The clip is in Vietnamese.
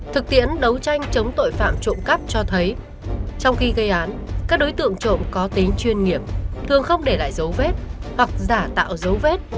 thực tiễn đấu tranh chống tội phạm trộm cắp cho thấy trong khi gây án các đối tượng trộm có tính chuyên nghiệp thường không để lại dấu vết hoặc giả tạo dấu vết